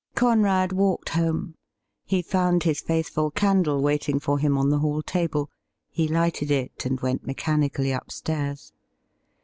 Conrad walked home. He found his faithful candle waiting for him on the hall table ; he lighted it, and went mechanically upstairs.